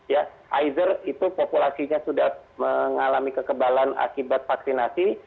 ya pfizer itu populasinya sudah mengalami kekebalan akibat vaksinasi